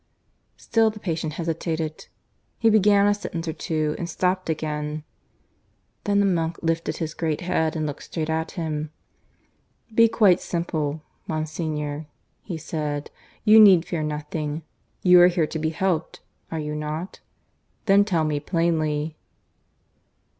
Still the patient hesitated. He began a sentence or two, and stopped again. Then the monk lifted his great head and looked straight at him. "Be quite simple, Monsignor," he said, "you need fear nothing. You are here to be helped, are you not? Then tell me plainly."